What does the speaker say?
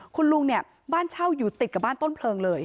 คุณลุงเนี่ยบ้านเช่าอยู่ติดกับบ้านต้นเพลิงเลย